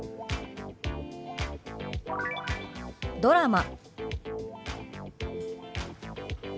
「ドラマ」。